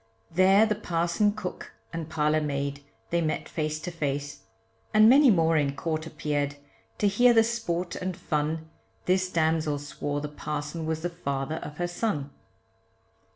There the parson, cook, and parlour maid they met face to face, And many more in court appeared, to hear the sport and fun, This damsel swore the parson was the father of her son.